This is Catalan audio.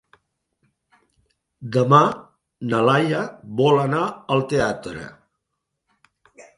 Demà na Laia vol anar al teatre.